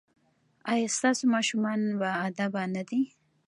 ایا ستاسو ماشومان باادبه نه دي؟